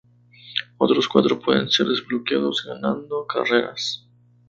Otros cuatro pueden ser desbloqueados ganando carreras.